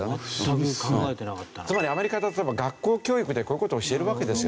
つまりアメリカは学校教育でこういう事を教えるわけですよね。